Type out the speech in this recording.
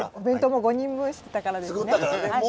弁当も５人分してたからですね。